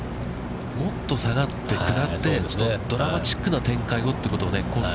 もっと下がって下って、ドラマチックな展開をということをコース